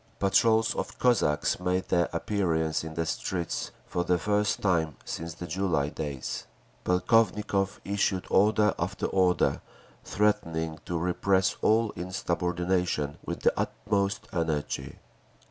Patrols of Cossacks made their appearance in the streets, for the first time since the July days. Polkovnikov issued order after order, threatening to repress all insubordination with the "utmost energy."